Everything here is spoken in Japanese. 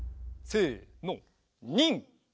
せの。